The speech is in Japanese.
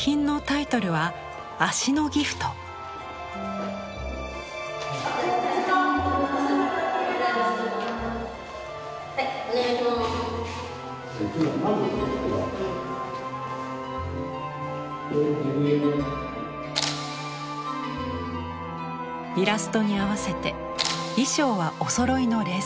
イラストに合わせて衣装はおそろいのレース柄。